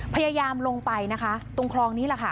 พยายามลงไปตรงคลองนี้